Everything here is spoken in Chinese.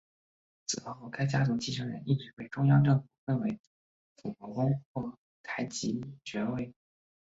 此后该家族继承人一直被中央政府封为辅国公或台吉爵位。